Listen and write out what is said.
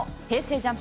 ＪＵＭＰ